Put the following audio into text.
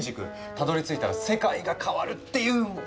たどりついたら世界が変わるっていう。